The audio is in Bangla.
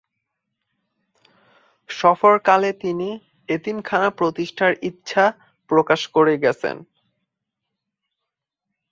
সফরকালে তিনি এতিমখানা প্রতিষ্ঠার ইচ্ছা প্রকাশ করেন।